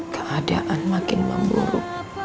keadaan makin memburuk